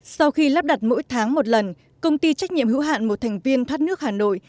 sau khi lắp đặt mỗi tháng một lần công ty trách nhiệm hữu hạn một thành viên thoát nước hà nội